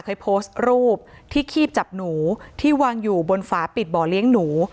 เคยโพสต์รูปที่คีบจับหนูที่วางอยู่บนฝาปิดบ่อเลี้ยงหนู